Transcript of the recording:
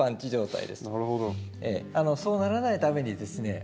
そうならないためにですね